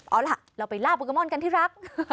เอาล่ะเราไปล่าโปเกมอนกันที่รัก